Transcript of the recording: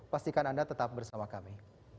pastikan anda tetap bersama kami